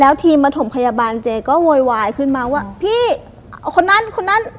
ทีมประถมพยาบาลเจ๊ก็โวยวายขึ้นมาว่าพี่เอาคนนั้นคนนั้น